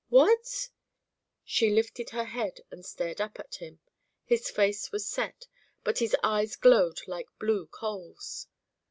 "What?" She lifted her head and stared up at him. His face was set, but his eyes glowed like blue coals.